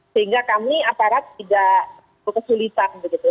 sehingga kami aparat tidak kesulitan begitu